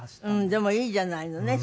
でもいいじゃないのねそれがね。